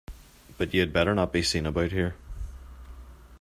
But you had better not be seen about here.